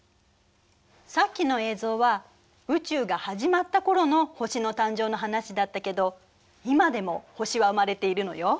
さっきの映像は宇宙が始まった頃の星の誕生の話だったけど今でも星は生まれているのよ。